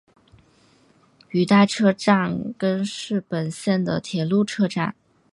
羽带车站根室本线的铁路车站。